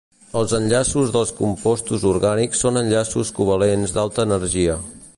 Els enllaços dels compostos orgànics són enllaços covalents d’alta energia.